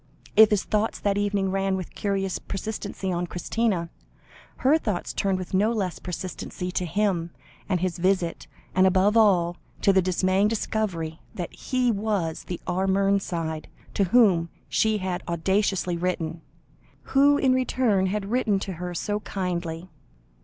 If his thoughts that evening ran with curious persistency on Christina, her thoughts turned with no less persistency to him and his visit, and above all, to the dismaying discovery that he was the R. Mernside to whom she had audaciously written, who in return had written to her so kindly.